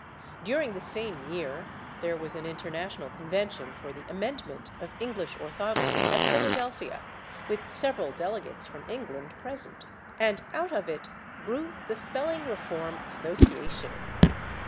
During the same year there was an International Convention for the Amendment of English Orthography at Philadelphia, with several delegates from England present, and out of it grew the Spelling Reform Association.